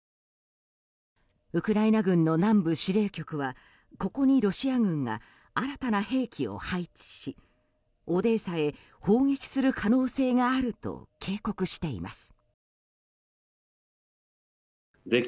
ウクライナ軍の南部指令局はここにロシア軍が新たな兵器を配置しオデーサへ砲撃する可能性があると警告しています。